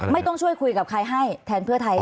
ไม่ต้องช่วยคุยกับใครให้แทนเพื่อไทย